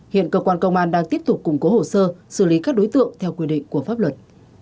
hiện cơ quan công an đang tiếp tục củng cố hồ sơ xử lý các đối tượng theo quy định của pháp luật